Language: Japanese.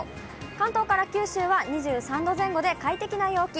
関東から九州は２３度前後で、快適な陽気。